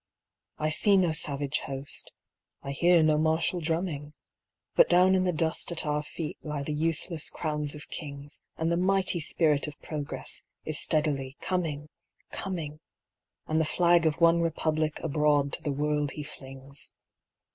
I see no savage host, I hear no martial drumming, But down in the dust at our feet lie the useless crowns of kings; And the mighty spirit of Progress is steadily coming, coming, And the flag of one republic abroad to the world he flings.